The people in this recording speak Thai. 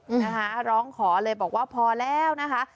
นะคะร้องขอเลยบอกว่าพอแล้วนะคะ